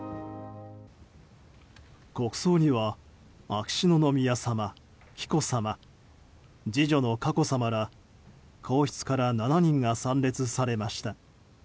国葬には、秋篠宮さま紀子さま、次女の佳子さまら皇室から７人が参列されました。